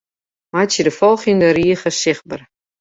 Meitsje de folgjende rige sichtber.